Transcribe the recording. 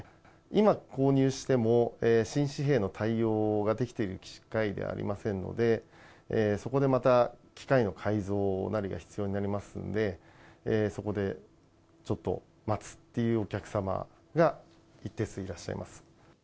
今購入しても、新紙幣の対応ができている機械ではありませんので、そこでまた機械の改造なりが必要になりますんで、そこでちょっと待つっていうお客様が、一定数いらっしゃいます。